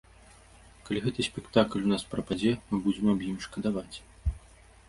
Калі гэты спектакль у нас прападзе, мы будзем аб ім шкадаваць.